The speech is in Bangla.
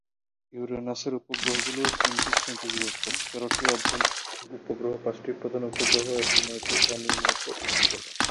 ইউরেনাসের উপগ্রহগুলি তিনটি শ্রেণিতে বিভক্ত: তেরোটি অভ্যন্তরীণ উপগ্রহ, পাঁচটি প্রধান উপগ্রহ এবং নয়টি অনিয়মিত উপগ্রহ।